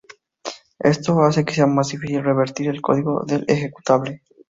Esto hace que sea más difícil revertir el código del ejecutable.